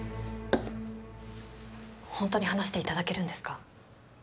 本当に話して頂けるんですか？